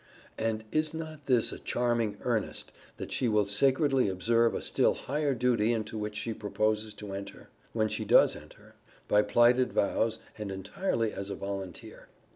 And is not this a charming earnest that she will sacredly observe a still higher duty into which she proposes to enter, when she does enter, by plighted vows, and entirely as a volunteer?